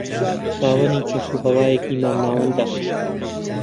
خاوەنی کەش و ھەوایەکی مام ناوەندە